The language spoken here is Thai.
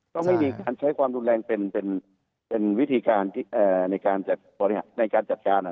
ต้องใช้ความรุนแรงเป็นวิธีการในการจัดการ